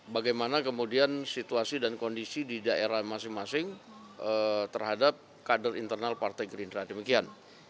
bagaimana kemudian situasi dan kondisi di daerah masing masing terhadap kader internal partai gerindra demikian